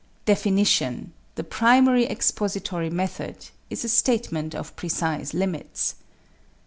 =Definition=, the primary expository method, is a statement of precise limits.